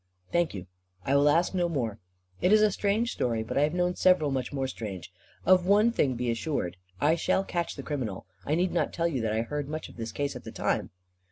"Thank you. I will ask no more. It is a strange story; but I have known several much more strange. Of one thing be assured. I shall catch the criminal. I need not tell you that I heard much of this case at the time."